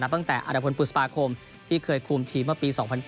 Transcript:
ตั้งแต่อรพลปุศปาคมที่เคยคุมทีมเมื่อปี๒๐๐๙